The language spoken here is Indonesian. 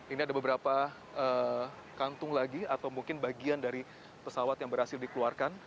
ini ada beberapa kantung lagi atau mungkin bagian dari pesawat yang berhasil dikeluarkan